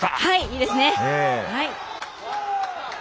いいですね。